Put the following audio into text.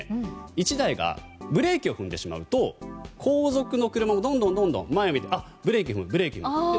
１台がブレーキを踏んでしまうと後続の車も前を見てブレーキを踏むと。